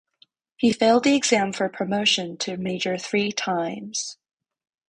He failed the exam for promotion to major three times.